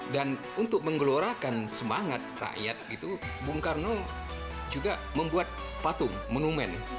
dan untuk menggelorakan semangat rakyat itu bung karno juga membuat patung monumen